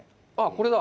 これだ。